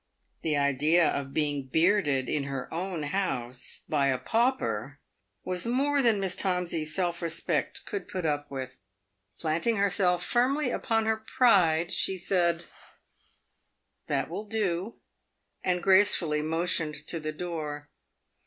The idea of being bearded in her own house by a pauper was more than Miss Tomsey's self respect could put up with. Planting her self firmly upon her pride, she said, "That will do," and gracefully motioned to the door.